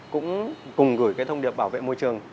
cũng cùng gửi cái thông điệp bảo vệ môi trường